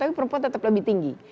tapi perempuan tetap lebih tinggi